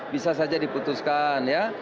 bisa saja diputuskan ya